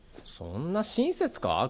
そんな親切か？